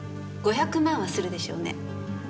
５００万はするでしょうね。